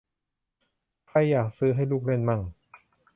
ใครอยากซื้อให้ลูกเล่นมั่ง